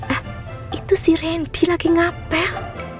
ah itu si randy lagi ngapel